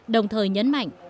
đồng thời nhấn mạnh